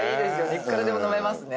いくらでも飲めますね。